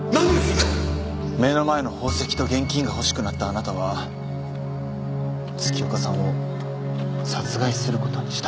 目の前の宝石と現金が欲しくなったあなたは月岡さんを殺害することにした。